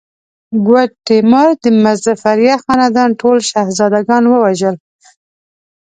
ګوډ تیمور د مظفریه خاندان ټول شهزاده ګان ووژل.